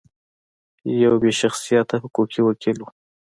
یو بې شخصیته حقوقي وکیل و.